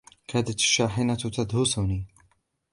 كادت شاحنةٌ تدهسُنِي.